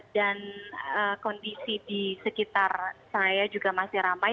dan kondisi di sekitar saya juga masih ramai